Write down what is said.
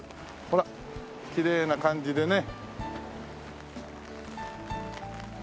ほらきれいな感じでね。